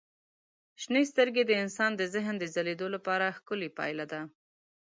شنې سترګې د انسان د ذهن د ځلېدو لپاره ښکلي پایله ده.